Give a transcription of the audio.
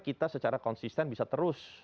kita secara konsisten bisa terus